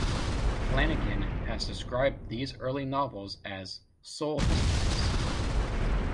Flanagan has described these early novels as 'soul histories'.